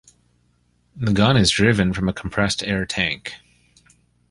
The gun is driven from a compressed-air tank.